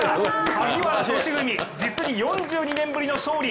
萩原利文、実に４２年ぶりの勝利。